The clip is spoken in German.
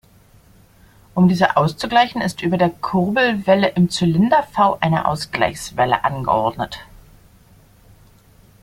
Um diese auszugleichen, ist über der Kurbelwelle im Zylinder-V eine Ausgleichswelle angeordnet.